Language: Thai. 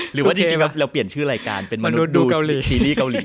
หรือว่าจริงแล้วเราเปลี่ยนชื่อรายการเป็นมนุษย์ดูเกาหลีซีรีส์เกาหลี